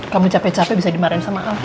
kamu capek capek bisa dimarahin sama al ya